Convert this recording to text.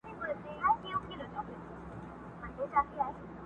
ما ویل زه به ټول نغمه، نغمه سم؛